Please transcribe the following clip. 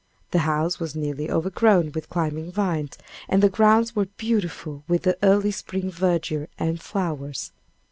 The house was nearly overgrown with climbing vines, and the grounds were beautiful with the early spring verdure and flowers.